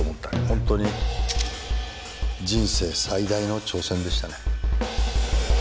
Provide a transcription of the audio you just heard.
本当に人生最大の挑戦でしたね。